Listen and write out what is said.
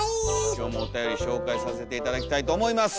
今日もおたより紹介させて頂きたいと思います。